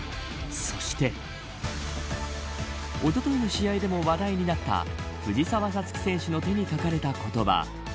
そしておとといの試合でも話題になった藤澤五月選手の手に書かれた言葉